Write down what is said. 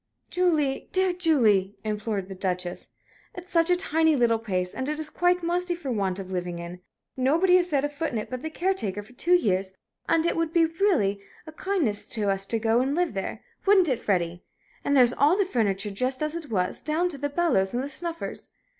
"Julie, dear Julie," implored the Duchess. "It's such a tiny little place, and it is quite musty for want of living in. Nobody has set foot in it but the caretaker for two years, and it would be really a kindness to us to go and live there wouldn't it, Freddie? And there's all the furniture just as it was, down to the bellows and the snuffers.